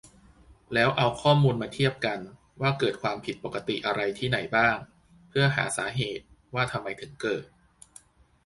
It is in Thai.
แล้วเอาข้อมูลมาเทียบกัน ว่าเกิดความผิดปกติอะไรที่ไหนบ้าง เพื่อหาสาเหตุ ว่าทำไมถึงเกิด